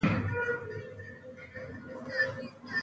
آیا د زعفرانو پیاز روغ دي؟